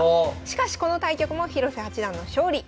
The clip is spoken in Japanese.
しかしこの対局も広瀬八段の勝利。